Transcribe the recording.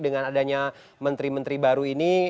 dengan adanya menteri menteri baru ini